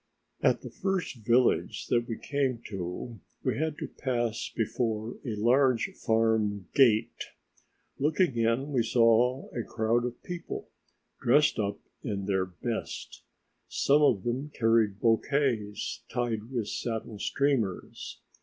At the first village that we came to we had to pass before a large farm gate; looking in we saw a crowd of people dressed up in their best; some of them carried bouquets tied with satin streamers.